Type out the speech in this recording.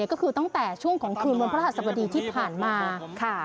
ก็คือตั้งแต่ช่วงของคืนวันพระหัสบดีที่ผ่านมาค่ะ